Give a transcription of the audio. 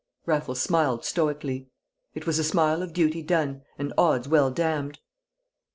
Raffles smiled stoically: it was a smile of duty done and odds well damned.